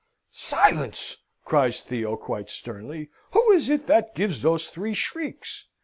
"Silence!" cries Theo, quite sternly. Who is it that gives those three shrieks?